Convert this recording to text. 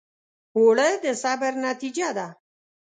اوړه د صبر نتیجه ده